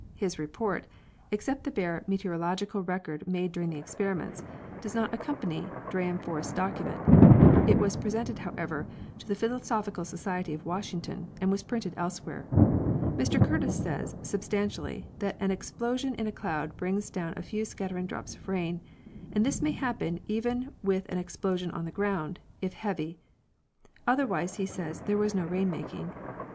His report (ex cept the bare meteorologic record made during the experiments) does not accompany Dyrenforth's document. It was presented, however, to the Philosophical Society of Washington, and was printed elsewhere. Mr Curtis says, substantially, that an explo sion in a cloud brings down a few scattering drops of rain, and this may happen even with an explosion on the ground, if heavy. Otherwise he says there was no rain making.